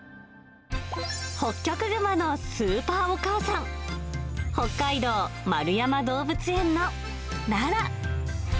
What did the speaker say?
ホッキョクグマのスーパーお母さん、北海道円山動物園のララ。